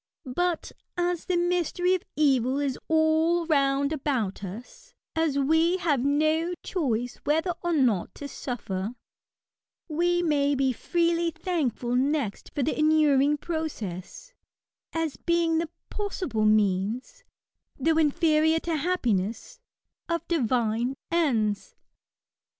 But, as the mystery of evil is all round about us, as we have no choice whether or not to suffer, we may be freely thankful next for the inuring process, as being the possible means, though inferior to hap piness, of divine ends.